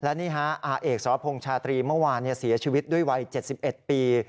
และนี่ฮะอาเอกสรพงษ์ชาตรีเมื่อวานเสียชีวิตด้วยวัย๗๑ปี